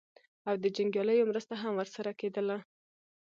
او د جنګیالیو مرسته هم ورسره کېدله.